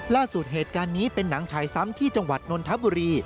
เหตุการณ์นี้เป็นหนังชายซ้ำที่จังหวัดนนทบุรี